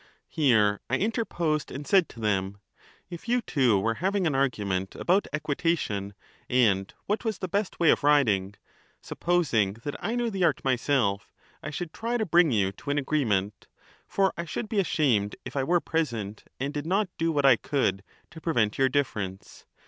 Here I interposed and said to them : If you two were having an argument about equitation and what was the best way of riding, supposing that I knew the art myself, I should try to bring you to an agreement. For I should be ashamed if I were present and did not do what I could to prevent your difference.